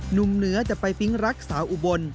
หนุ่มเหนือแต่ไปปิ๊งรักสาวอุบล